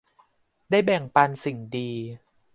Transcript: ได้แบ่งปันสิ่งดี